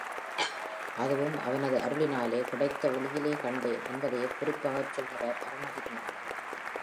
அதுவும் அவனது அருளினாலே கிடைத்த ஒளியிலே கண்டேன் என்பதையே குறிப்பாகச் சொல்கிறார் அருணகிரிநாதர்.